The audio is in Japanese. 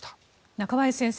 中林先生